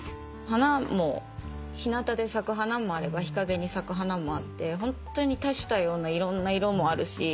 花も日なたで咲く花もあれば日陰に咲く花もあってホンットに多種多様ないろんな色もあるし。